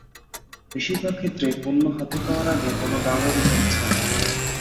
বেশির ভাগ ক্ষেত্রেই পণ্য হাতে পাওয়ার আগে কোনো দামও দিতে হচ্ছে না।